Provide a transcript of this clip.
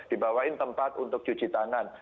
dibawain tempat untuk cuci tangan